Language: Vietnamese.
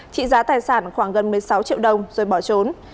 trị giá tài sản khoảng gần một mươi sáu triệu đồng rồi bỏ trốn